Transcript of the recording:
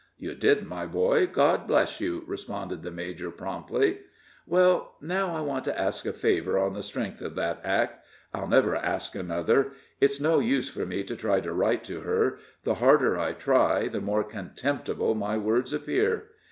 "You did, my boy. God bless you!" responded the major, promptly. "Well, now I want to ask a favor on the strength of that act. I'll never ask another. It's no use for me to try to write to her the harder I try the more contemptible my words appear.